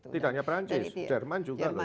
tidak hanya prancis jerman juga loh ya